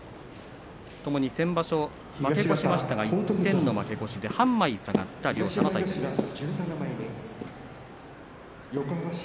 ともに先場所、負け越しましたが一点の負け越しで半枚下がった両者の対戦です。